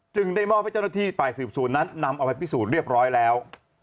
ได้มอบให้เจ้าหน้าที่ฝ่ายสืบสวนนั้นนำเอาไปพิสูจน์เรียบร้อยแล้ว